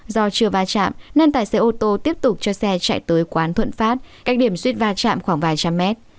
do chưa va chạm nên tài xế ô tô tiếp tục cho xe chạy tới quán thuận phát cách điểm suýt va chạm khoảng vài trăm mét